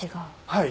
はい。